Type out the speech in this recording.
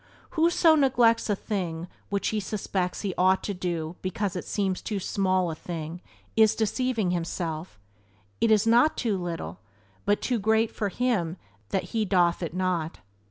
"Who so neglects a thing which he suspects he ought to do because it seems too small a thing is deceiving himself; it is not too little but too great for him that he doeth it not."